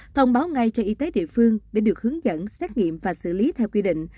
thông báo ngay cho y tế địa phương để được hướng dẫn xét nghiệm và xử lý theo quy định